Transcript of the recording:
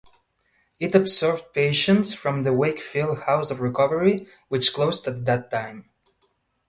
It absorbed patients from the Wakefield House of Recovery which closed at that time.